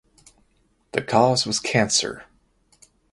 The cause was cancer.